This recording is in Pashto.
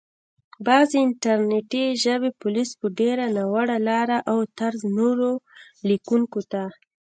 بعضي انټرنټي ژبني پوليس په ډېره ناوړه لاره او طرز نورو ليکونکو ته